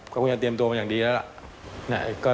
ก็คงจะเตรียมตัวมาอย่างดีแล้วล่ะ